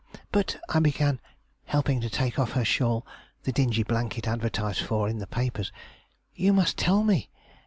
'But,' I began, helping her to take off her shawl, the dingy blanket advertised for in the papers 'you must tell me.